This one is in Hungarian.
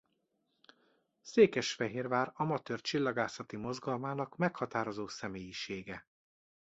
Székesfehérvár amatőr csillagászati mozgalmának meghatározó személyisége.